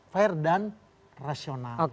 fair dan rasional